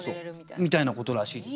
みたいなことらしいです。